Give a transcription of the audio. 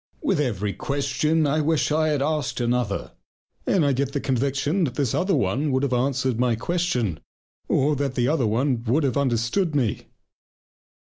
With every question I wish I had asked another, and I get the conviction that this other one would have answered my question, or, that other one would have understood me.